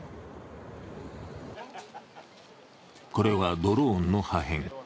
これはドローンの破片。